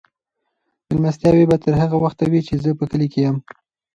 مېلمستیاوې به تر هغه وخته وي چې زه په کلي کې یم.